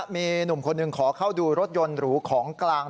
มีหนุ่มคนหนึ่งขอเข้าดูรถยนต์หรูของกลาง